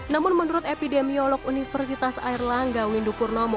namun menurut epidemiolog universitas airlangga windu purnomo